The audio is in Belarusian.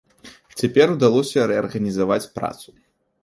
Цяпер удалося рэарганізаваць працу.